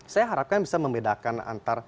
saya harapkan bisa membedakan antar